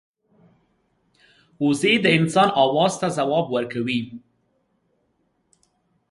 وزې د انسان آواز ته ځواب ورکوي